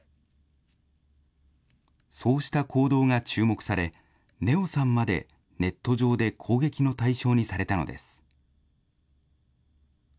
そうした行動が注目され、寧生さんまでネット上で攻撃の対象にされたのです。